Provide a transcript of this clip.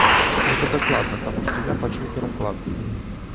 Гэта дакладна, таму што я пачуў пераклад.